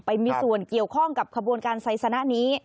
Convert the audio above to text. ไปมีส่วนเกี่ยวข้องกับขบวนการไซสนะนี้